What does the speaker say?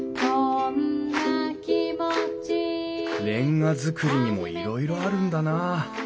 煉瓦造りにもいろいろあるんだな。